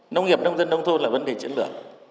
nông nghiệp nông dân nông thôn là vấn đề chất lượng